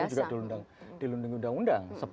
itu juga dilundingi undang undang